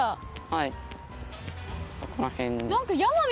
はい。